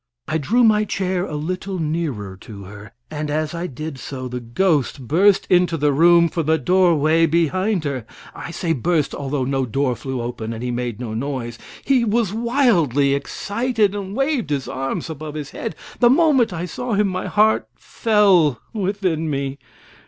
I drew my chair a little nearer to her, and as I did so the ghost burst into the room from the doorway behind her. I say burst, although no door flew open and he made no noise. He was wildly excited, and waved his arms above his head. The moment I saw him, my heart fell within me.